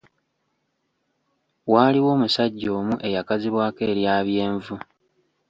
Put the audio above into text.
Waaliwo omusajja omu eyakazibwako erya Byenvu.